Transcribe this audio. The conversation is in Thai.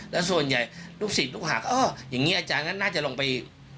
แล้วส่วนใหญ่ลูกศิษย์ลูกหาก็อย่างนี้อาจารย์ก็น่าจะลงไป